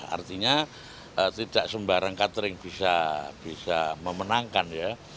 artinya tidak sembarang catering bisa memenangkan ya